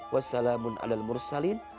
wassalamun ala al mursalin